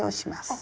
あ！